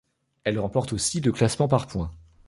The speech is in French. Elle remporte aussi le classement par points.